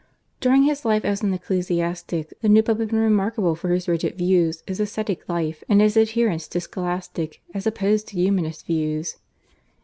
During his life as an ecclesiastic the new Pope had been remarkable for his rigid views, his ascetic life, and his adherence to Scholastic as opposed to Humanist views.